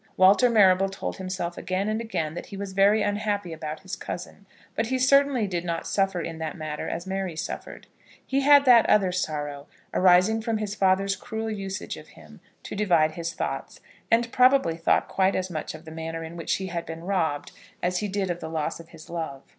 Walter Marrable told himself again and again that he was very unhappy about his cousin, but he certainly did not suffer in that matter as Mary suffered. He had that other sorrow, arising from his father's cruel usage of him, to divide his thoughts, and probably thought quite as much of the manner in which he had been robbed, as he did of the loss of his love.